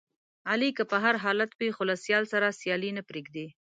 علي که په هر حالت وي، خو له سیال سره سیالي نه پرېږدي.